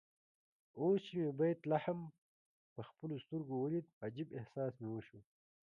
اوس چې مې بیت لحم په خپلو سترګو ولید عجيب احساس مې وشو.